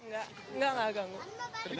gak gak gak ganggu